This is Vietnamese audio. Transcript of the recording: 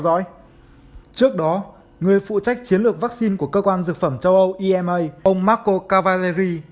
dõi trước đó người phụ trách chiến lược vaccine của cơ quan dược phẩm châu âu ông marco cavallari